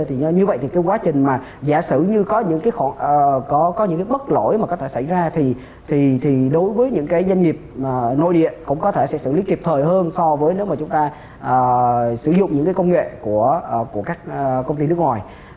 thì như vậy thì cái quá trình mà giả sử như có những cái có những bất lỗi mà có thể xảy ra thì đối với những cái doanh nghiệp nội địa cũng có thể sẽ xử lý kịp thời hơn so với nếu mà chúng ta sử dụng những cái công nghệ của các công ty nước ngoài